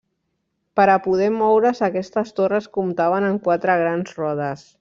Per a poder moure's aquestes torres comptaven amb quatre grans rodes.